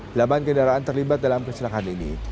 delapan kendaraan terlibat dalam kecelakaan ini